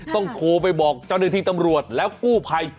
ป้องโทรไปบอกเจ้าหนึ่งทีตำรวจแล้วกู่ใคร